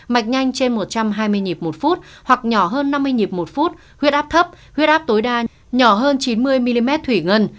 mạch nhanh trên một trăm hai mươi nhịp một phút hoặc nhỏ hơn năm mươi nhịp một phút huyết áp thấp huyết áp tối đa nhỏ hơn chín mươi mm thủy ngân